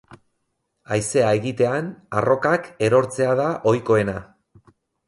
Haizea egitean, arrokak erortzea da ohikoena